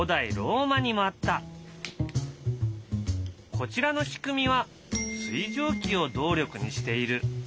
こちらの仕組みは水蒸気を動力にしている。